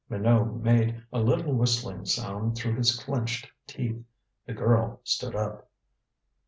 Minot made a little whistling sound through his clenched teeth. The girl stood up.